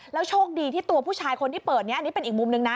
โชคดีที่ตัวผู้ชายคนที่เปิดนี้อันนี้เป็นอีกมุมนึงนะ